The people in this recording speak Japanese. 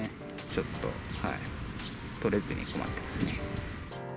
ちょっと取れずに困ってますね。